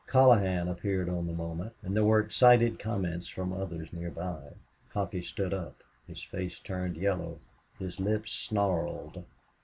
Colohan appeared on the moment, and there were excited comments from others near by. Coffee stood up. His face turned yellow. His lips snarled.